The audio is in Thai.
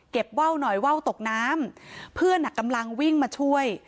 เก็บเว้าหน่อยเว้าตกน้ำเพื่อนอ่ะกำลังวิ่งมาช่วย